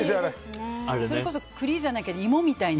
それこそ栗じゃないけど芋みたいな。